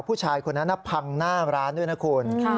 ผู้ชายคนนั้นพังหน้าร้านด้วยนะคุณ